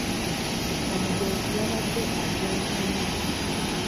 Omugenzi yabadde agwa ensimbu.